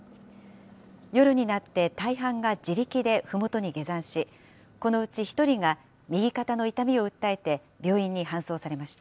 夜になって大半が自力でふもとに下山し、このうち１人が右肩の痛みを訴えて病院に搬送されました。